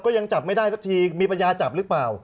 ยังจับไม่ได้สักทีมีปัญญาจับหรือเปล่า